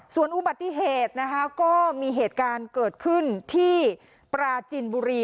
ส่วนอุบัติเหตุนะคะก็มีเหตุการณ์เกิดขึ้นที่ปราจินบุรี